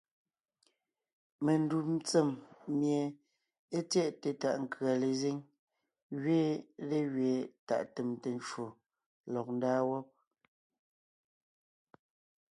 Mendù tsèm mie é tyɛʼte tàʼ nkʉ̀a lezíŋ gẅiin légẅiin tàʼ tèmte ncwò lɔg ńdaa wɔ́b.